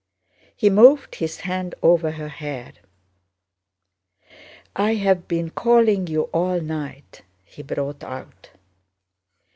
He moved his hand over her hair. "I have been calling you all night..." he brought out.